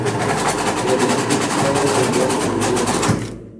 De adolescente sus padres lo enviaron a vivir a España.